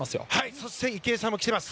そして池江さんも来ています。